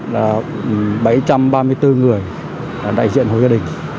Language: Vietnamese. là bảy trăm ba mươi bốn người đại diện hội gia đình